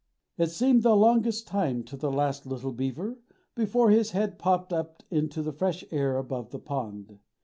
It seemed the longest time to the last little beaver before his head popped up into the fresh air above the pond.